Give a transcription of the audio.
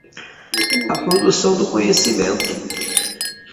A produção do conhecimento.